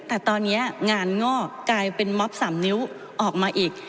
แต่ตอนนี้งานงอกกลายเป็นม็อบ๓นิ้วออกมาอีก